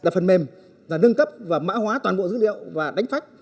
là phần mềm là nâng cấp và mã hóa toàn bộ dữ liệu và đánh phách